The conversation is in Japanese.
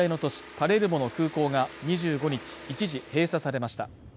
パレルモの空港が２５日一時閉鎖されました